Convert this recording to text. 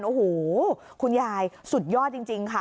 โอ้โหคุณยายสุดยอดจริงค่ะ